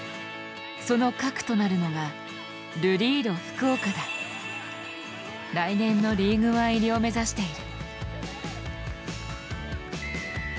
その核となるのが来年のリーグワン入りを目指している。